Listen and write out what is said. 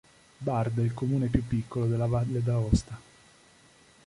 Bard è il comune più piccolo della Valle d'Aosta.